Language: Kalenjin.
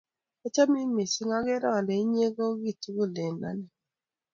Achamin missing', akere ale inye koi kitugul eng' ane